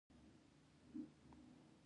د دروني هیلو لټون په دې ناول کې څرګند دی.